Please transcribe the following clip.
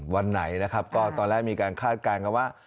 วันไหนนะครับก็ตอนแรกมีการคาดการณ์กันว่า